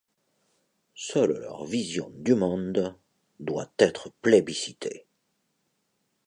Seule leur vision du monde doit être plébiscitée.